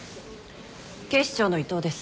警視庁の伊藤です。